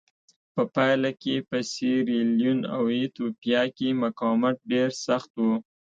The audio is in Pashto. په پایله کې په سیریلیون او ایتوپیا کې مقاومت ډېر سخت و.